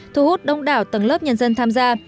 thu hút đông đảo tầng lớp nhân dân tham gia